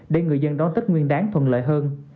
để người dân đón tết nguyên đáng thuận lợi hơn